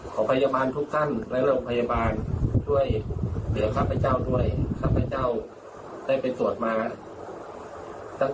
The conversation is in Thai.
ขอพยาบาลทุกท่านและรับพยาบาลช่วยเหลือข้าพเจ้าด้วย